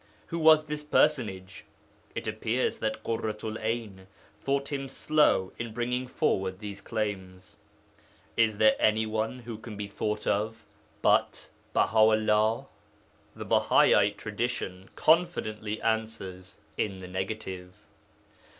Who was this Personage? It appears that Ḳurratu'l 'Ayn thought Him slow in bringing forward these claims. Is there any one who can be thought of but Baha 'ullah? The Bahaite tradition confidently answers in the negative.